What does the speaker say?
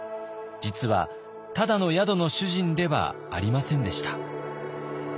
実はただの宿の主人ではありませんでした。